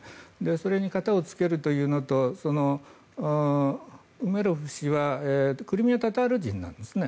それに片をつけるというのとウメロフ氏はクリミア・タタール人なんですね。